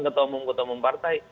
ketua mucho ketua mempartai